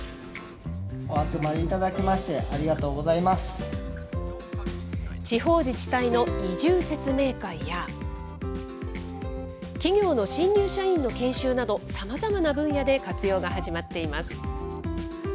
お集まりいただきまして、地方自治体の移住説明会や、企業の新入社員の研修など、さまざまな分野で活用が始まっています。